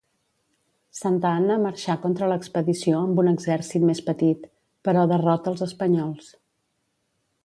Santa Anna marxà contra l'expedició amb un exèrcit més petit, però derrota els espanyols.